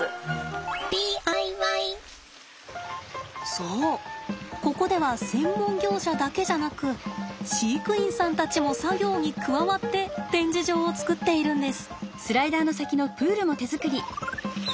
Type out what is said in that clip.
そうここでは専門業者だけじゃなく飼育員さんたちも作業に加わって展示場を作っているんです。